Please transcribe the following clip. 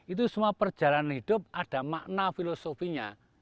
itu semua perjalanan hidup ada makna filosofinya